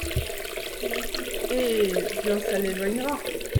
Eh ! bien, ça l’éloignera.